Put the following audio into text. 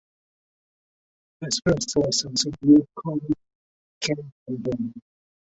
His first lessons in wood carving came from him.